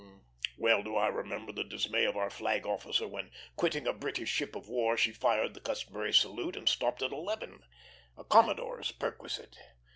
Well do I remember the dismay of our flag officer when, quitting a British ship of war, she fired the customary salute, and stopped at eleven a commodore's perquisite.